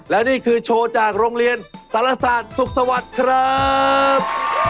และนี่คือโชว์จากโรงเรียนสารศาสตร์สุขสวัสดิ์ครับ